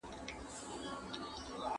¬ کونه خداى رانه کړه، په نيره ما سورۍ نه کړه.